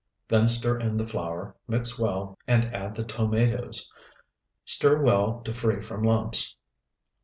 Then stir in the flour, mix well, and add the tomatoes. Stir well to free from lumps.